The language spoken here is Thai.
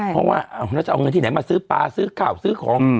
เพราะว่าแล้วจะเอาเงินที่ไหนมาซื้อปลาซื้อข่าวซื้อของ